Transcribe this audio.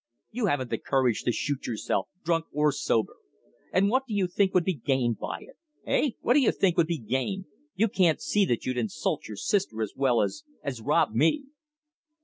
You haven't the courage to shoot yourself drunk or sober. And what do you think would be gained by it? Eh, what do you think would be gained? You can't see that you'd insult your sister as well as as rob me."